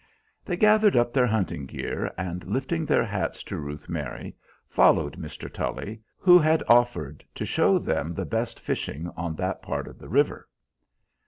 They gathered up their hunting gear, and lifting their hats to Ruth Mary, followed Mr. Tully, who had offered to show them the best fishing on that part of the river.